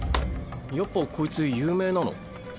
やっぱこいつ有名なの？